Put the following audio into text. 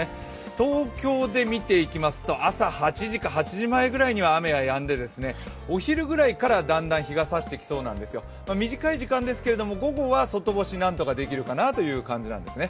東京で見ていきますと朝８時か８時前ぐらいには雨はやんでお昼ぐらいからだんだん日がさしてきそうなんですよ。短い時間ですけれども、午後は外干し、何とかできそうかなという感じなんですね。